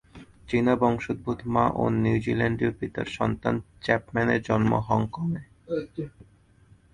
চীনা বংশোদ্ভূত মা ও নিউজিল্যান্ডীয় পিতার সন্তান চ্যাপম্যানের জন্ম হংকংয়ে।